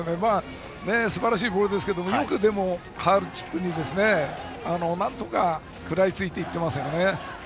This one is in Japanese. すばらしいボールですけどよくファウルチップになんとか食らいついていってますね。